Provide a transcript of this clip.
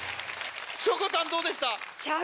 しょこたんどうでした？